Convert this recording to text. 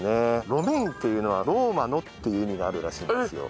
「ロメイン」っていうのは「ローマの」っていう意味があるらしいんですよ。